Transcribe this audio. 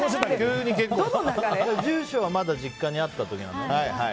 住所は、まだ実家にあった時のなんだろうね。